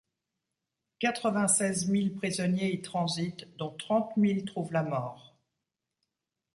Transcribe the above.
Quatre-vingt-seize mille prisonniers y transitent, dont trente mille trouvent la mort.